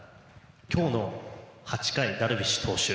今日の８回、ダルビッシュ投手